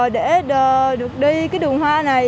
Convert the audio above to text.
để được đi cái đường hoa này